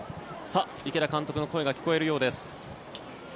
池田監督の声が聞こえるようです。